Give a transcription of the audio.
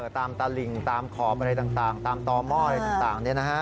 ตามตาลิ่งตามขอบอะไรต่างตามตอม่ออะไรต่างนี่นะฮะ